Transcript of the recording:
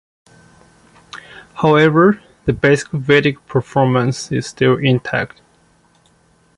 However, the basic Vedic performance is still intact.